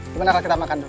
cuma nakal kita makan dulu